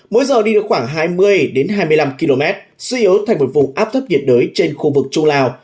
mỗi giờ đi được khoảng hai mươi hai mươi năm km suy yếu thành một vùng áp thấp nhiệt đới trên khu vực trung lào